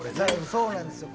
そうなんですよ。